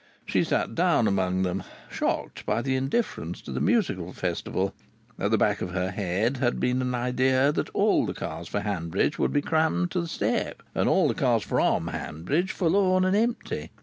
She sat down among them, shocked by this indifference to the Musical Festival. At the back of her head had been an idea that all the cars for Hanbridge would be crammed to the step, and all the cars from Hanbridge forlorn and empty.